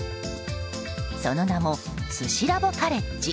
その名もスシラボカレッジ。